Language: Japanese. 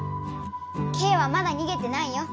ケイはまだにげてないよ。